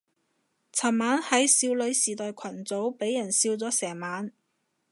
尋晚喺少女時代群組俾人笑咗成晚